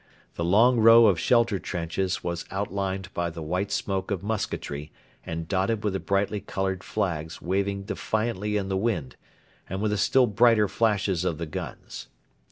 The long row of shelter trenches was outlined by the white smoke of musketry and dotted with the bright coloured flags waving defiantly in the wind and with the still brighter flashes of the guns.